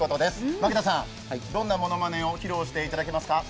牧田さん、どんなものまねを披露していただけますか。